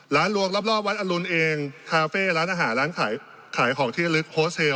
ร้านรวมร้อบวัดอรุณเองคาเฟ่ร้านอาหารร้านขายขายของที่ลึก